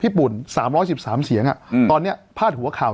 พี่ปุ่นสามร้อยสิบสามเสียงอ่ะอืมตอนเนี้ยพลาดหัวข่าว